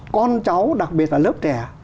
con cháu đặc biệt là lớp trẻ